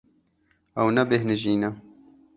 Ew nebêhnijî ne.